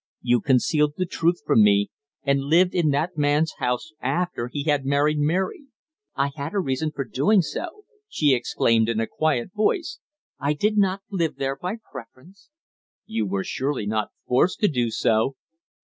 "You concealed the truth from me, and lived in that man's house after he had married Mary." "I had a reason for doing so," she exclaimed, in a quiet voice. "I did not live there by preference." "You were surely not forced to do so."